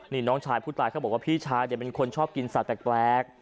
นี่น้องชายผู้ตายเขาบอกว่าพี่ชายเป็นคนชอบกินสัตว์แปลก